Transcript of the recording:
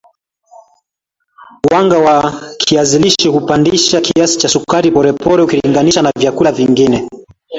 Wanga wa kiazi lishe hupandisha kiasi cha sukari polepole ukilinganisha na vyakula vingine